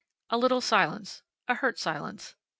A little silence. A hurt silence.